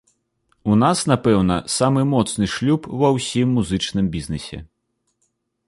У нас, напэўна, самы моцны шлюб ва ўсім музычным бізнесе.